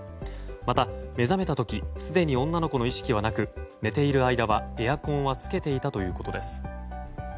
また、目覚めた時すでに女の子の意識はなく寝ている間はエアコンはつけていたということです。